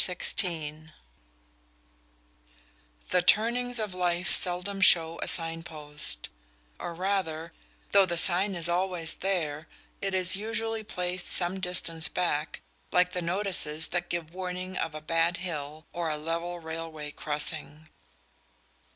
XVI The turnings of life seldom show a sign post; or rather, though the sign is always there, it is usually placed some distance back, like the notices that give warning of a bad hill or a level railway crossing.